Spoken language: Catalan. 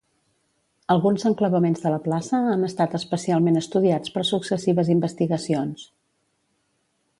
Alguns enclavaments de la plaça han estat especialment estudiats per successives investigacions.